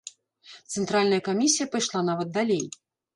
Цэнтральная камісія пайшла нават далей.